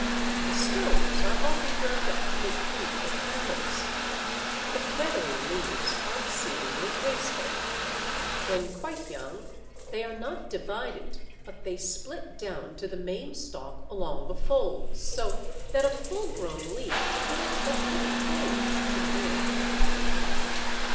The stones are often ground up to make food for camels. The feathery leaves are exceedingly graceful. When quite young they are not divided, but they split down to the main stalk along the folds, so that a full grown leaf affords but little hold to the wind.